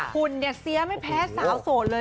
หุ่นเนี่ยเสียไม่แพ้สาวโสดเลย